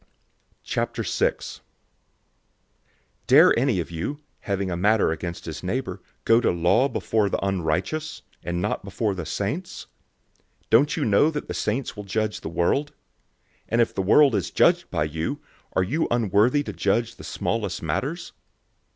"{Deuteronomy 17:7; 19:19; 21:21; 22:21; 24:7} 006:001 Dare any of you, having a matter against his neighbor, go to law before the unrighteous, and not before the saints? 006:002 Don't you know that the saints will judge the world? And if the world is judged by you, are you unworthy to judge the smallest matters?